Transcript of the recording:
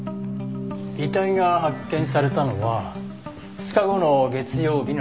遺体が発見されたのは２日後の月曜日の朝。